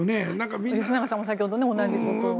吉永さんも先ほど同じことを。